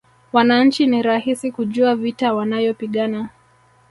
Wananchi ni rahisi kujua vita wanayopigana